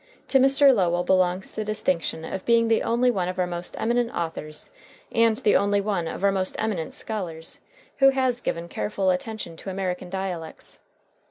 To Mr. Lowell belongs the distinction of being the only one of our most eminent authors and the only one of our most eminent scholars who has given careful attention to American dialects.